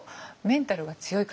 メンタルが強い。